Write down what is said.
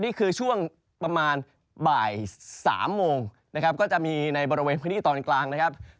นี่คือช่วงประมาณบ่าย๓โมงนะครับก็จะมีในบริเวณพื้นที่ตอนกลางนะครับ